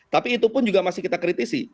tapi itu pun juga masih kita kritisi